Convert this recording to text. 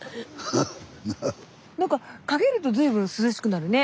なんか陰ると随分涼しくなるね。